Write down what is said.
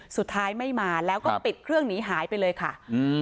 สุดท้ายไม่มาแล้วก็ปิดเครื่องหนีหายไปเลยค่ะอืม